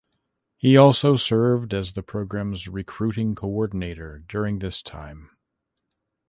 He also served as the programs recruiting coordinator during this time.